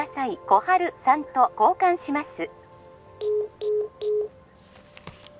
☎心春さんと交換します